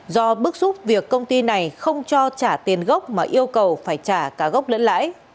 do bức xúc việc công ty này không cho trả tiền gốc mà yêu cầu phải trả cả gốc lẫn lãi